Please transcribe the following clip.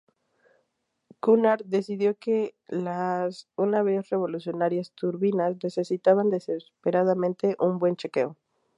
Cunard decidió que las una vez revolucionarias turbinas necesitaban desesperadamente un buen chequeo.